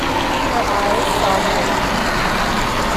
Her eyes saw no one.